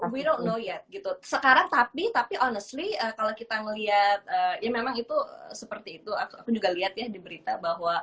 we don't know yet gitu sekarang tapi honestly kalau kita melihat ya memang itu seperti itu aku juga lihat ya di berita bahwa